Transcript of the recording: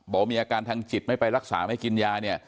บอกมีอาการทางจิตไม่ไปรักษาไม่กินยาเนี่ย